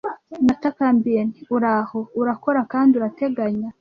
Natakambiye nti: 'Uraho, urakora kandi urateganya,